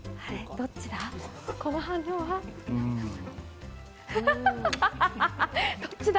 どっちだ？